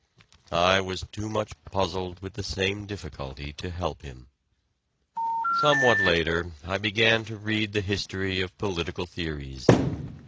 I was too much puzzled with the same difficulty to help him. Somewhat later I began to read the history of political theories.